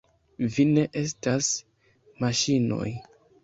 Vi ne estas maŝinoj!